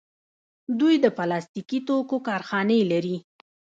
دوی د پلاستیکي توکو کارخانې لري.